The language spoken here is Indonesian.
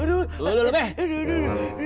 aduh aduh aduh